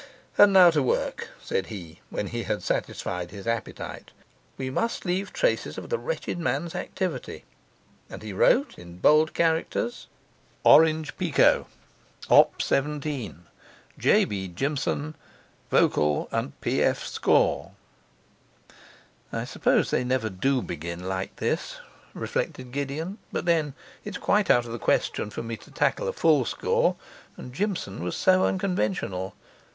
'And now to work,' said he, when he had satisfied his appetite. 'We must leave traces of the wretched man's activity.' And he wrote in bold characters: ORANGE PEKOE. Op. 17. J. B. JIMSON. Vocal and p. f. score. 'I suppose they never do begin like this,' reflected Gideon; 'but then it's quite out of the question for me to tackle a full score, and Jimson was so unconventional.